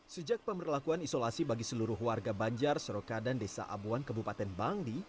sejak pemberlakuan isolasi bagi seluruh warga banjar seroka dan desa abuan kebupaten bangli